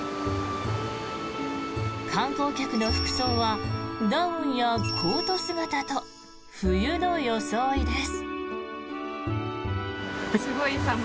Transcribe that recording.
観光客の服装はダウンやコート姿と冬の装いです。